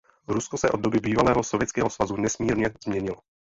Rusko se od doby bývalého Sovětského svazu nesmírně změnilo.